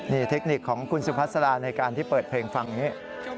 นี่เทคนิคของคุณสุพัสราในการที่เปิดเพลงฟังนี้